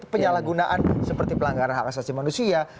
penyalahgunaan seperti pelanggaran hak asasi manusia